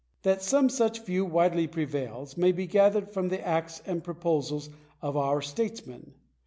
That some such view widely prevails may be gathered from the acts and proposals of our statesmen.